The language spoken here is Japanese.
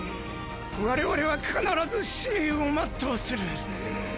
我々は必ず使命を全うする！！